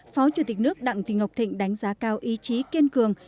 phó chủ tịch nước đặng thị ngọc thịnh đánh giá cao ý chí kiên cường